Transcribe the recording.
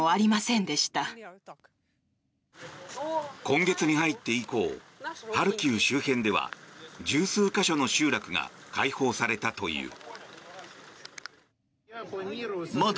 今月に入って以降ハルキウ周辺では１０数か所の集落が解放されたという。